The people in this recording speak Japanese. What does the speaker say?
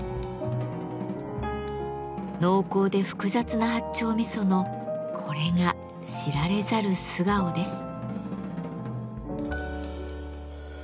濃厚で複雑な八丁味噌のこれが知られざる素顔です。